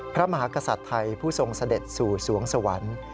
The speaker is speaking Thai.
พระมหากษัตริย์ไทยผู้ทรงเสด็จสู่สวงสวรรค์